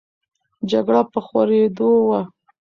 جګړه په خورېدو وه.